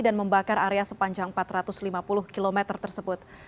dan membakar area sepanjang empat ratus lima puluh km tersebut